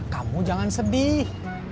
kamu jangan sedih